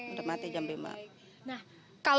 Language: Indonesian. udah mati jam lima